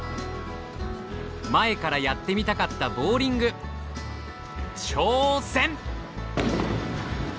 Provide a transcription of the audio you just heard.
前からやってみたかったボウリング挑戦！